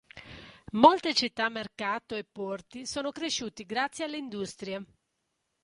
Molte città mercato e porti sono cresciuti grazie alle industrie.